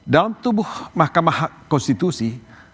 dalam tubuh mahkamah konstitusi